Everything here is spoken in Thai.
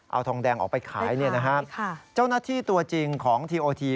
เอาทองแดงออกไปขายเนี่ยนะฮะเจ้าหน้าที่ตัวจริงของทีโอที